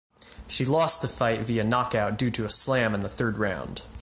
She lost the fight via knockout due to a slam in the third round.